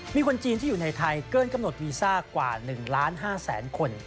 มีคนจีนที่อยู่ในไทยเกินกำหนดวีซ่ากว่า๑ล้าน๕แสนคน